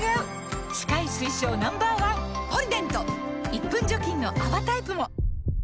１分除菌の泡タイプも！